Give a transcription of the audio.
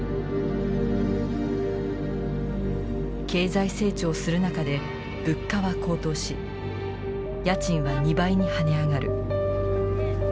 経済成長する中で物価は高騰し家賃は２倍に跳ね上がる。